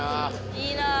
いいなあ！